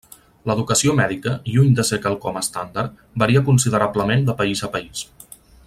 L'educació mèdica, lluny de ser quelcom estàndard, varia considerablement de país a país.